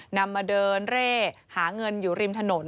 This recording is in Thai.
นำมาเดินเร่หาเงินอยู่ริมถนน